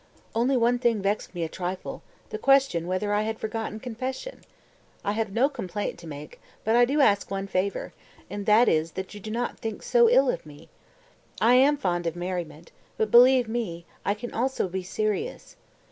231. "Only one thing vexed me a trifle, the question whether I had forgotten confession. I have no complaint to make, but I do ask one favor, and that is that you do not think so ill of me! I am fond of merriment, but, believe me, I can also be serious.